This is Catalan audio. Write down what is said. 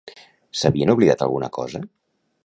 S'havien oblidat alguna cosa?